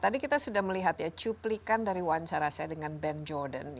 tadi kita sudah melihat ya cuplikan dari wawancara saya dengan ben jordan